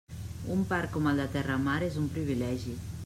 Un parc com el de Terramar és un privilegi.